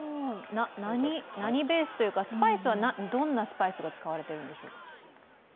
何ベースというか、どんなスパイスが使われているんですか？